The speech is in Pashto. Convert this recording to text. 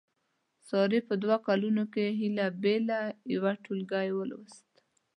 سارې په دوه کالونو کې هیله بیله یو ټولګی ولوست.